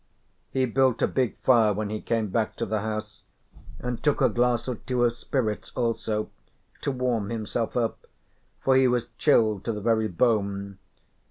He built a big fire when he came back to the house and took a glass or two of spirits also, to warm himself up, for he was chilled to the very bone.